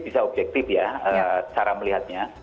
bisa objektif ya cara melihatnya